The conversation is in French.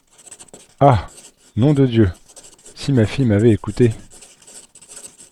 Ah! nom de Dieu ! si ma fille m’avait écoutée !...